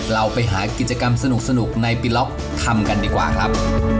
เราไปหากิจกรรมสนุกในปีล็อกทำกันดีกว่าครับ